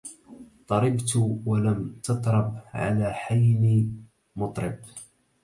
طربت ولم تطرب على حين مطرب